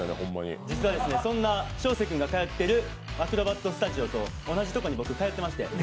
実はそんな将成君が通っているアクロバットスタジオに僕も通ってました。